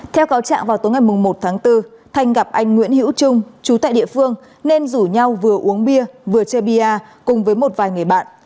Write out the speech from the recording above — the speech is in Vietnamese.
theo cáo trạng vào tối ngày một tháng bốn thanh gặp anh nguyễn hữu trung chú tại địa phương nên rủ nhau vừa uống bia vừa chê bia cùng với một vài người bạn